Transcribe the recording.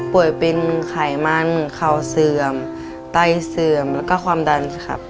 ป่วยเป็นไขมันเข่าเสื่อมไตเสื่อมแล้วก็ความดันครับ